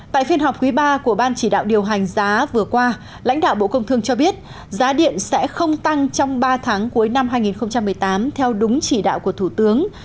tại phiên họp quý ba của ban chỉ đạo điều hành giá vừa qua lãnh đạo bộ công thương cho biết giá điện sẽ không tăng trong ba tháng cuối năm hai nghìn một mươi tám theo đúng chỉ đạo của thủ tướng